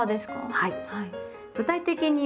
はい。